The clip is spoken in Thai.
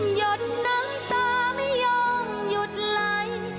หยดน้ำตาไม่ยอมหยุดไหล